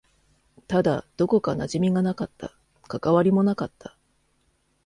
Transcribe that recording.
ただ、どこか馴染みがなかった。関わりもなかった。